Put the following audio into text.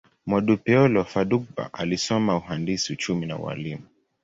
Modupeola Fadugba alisoma uhandisi, uchumi, na ualimu.